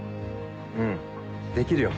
うんできるよ。